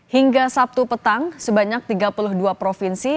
hingga sabtu petang sebanyak tiga puluh dua provinsi